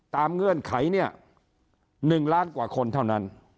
เงื่อนไขเนี่ย๑ล้านกว่าคนเท่านั้น